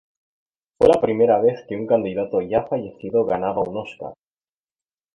Fue la primera vez que un candidato ya fallecido ganaba un Óscar.